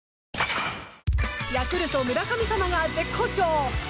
ヤクルト村神様が絶好調！